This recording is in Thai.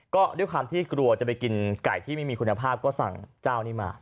ก็ด้วยความที่กลัวจะไปกินไก่ที่ไม่มีคุณภาพก็สั่งเจ้านี้มา